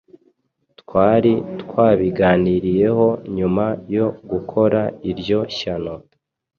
twari twabiganiriyeho nyuma yo gukora iryo shyano.